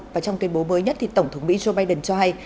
và trong tuyên bố mới nhất thì tổng thống mỹ joe biden cho hay